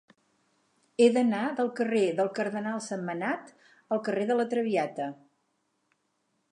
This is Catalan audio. He d'anar del carrer del Cardenal Sentmenat al carrer de La Traviata.